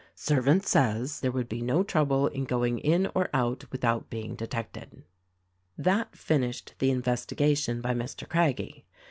Servant says there would be no trouble in going in or out without being detected." That finished the investigation by Mr. Craggie.